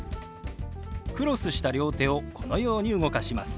クロスした両手をこのように動かします。